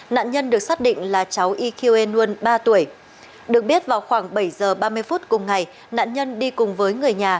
nạn nhân được xác định là cháu yqenun ba tuổi được biết vào khoảng bảy giờ ba mươi phút cùng ngày nạn nhân đi cùng với người nhà